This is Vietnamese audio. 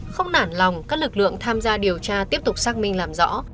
không nản lòng các lực lượng tham gia điều tra tiếp tục xác minh làm rõ